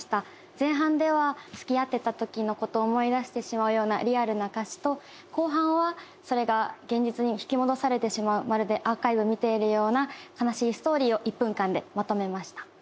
前半ではつきあってた時のことを思い出してしまうようなリアルな歌詞と後半はそれが現実に引き戻されてしまうまるでアーカイブ見ているような悲しいストーリーを１分間でまとめました。